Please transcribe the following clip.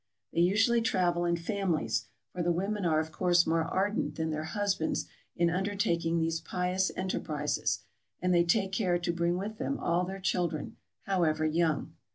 They usually travel in families, for the women are of course more ardent than their husbands in undertaking these pious enterprises, and they take care to bring with them all their children, however young.